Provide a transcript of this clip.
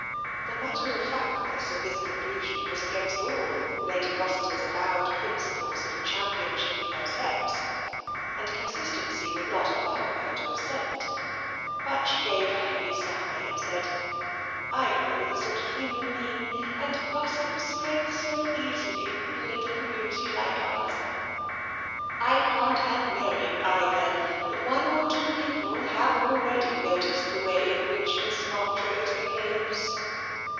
'* The matter of factness of this conclusion was against all Lady Rossiter's avowed principles of championship of her sex, and consistency would not allow her to as sent. But she gave a heavy sigh, and said :" I know the sort of thing you mean, and gossip spreads so easily in a little commimity like ours. I can't help knowing, either, that one or two people have already noticed the way in which Miss Marchrose be haves."